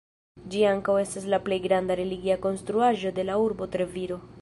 Ĝi ankaŭ estas la plej granda religia konstruaĵo de la urbo Treviro.